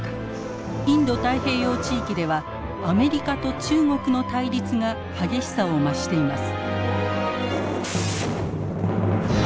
インド太平洋地域ではアメリカと中国の対立が激しさを増しています。